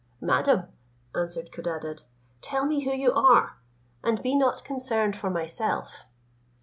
"Madam," answered Codadad, "tell me who you are, and be not concerned for myself."